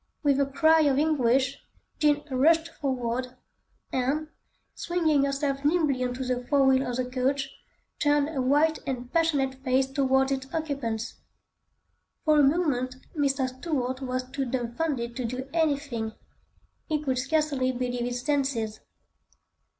With a cry of anguish, Jean rushed forward and, swinging herself nimbly on to the fore wheel of the coach, turned her white and passionate face towards its occupants. For a moment, Mr. Stuart was too dumbfounded to do anything; he could scarcely believe his senses.